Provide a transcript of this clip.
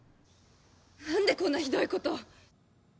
何でこんなひどいこと！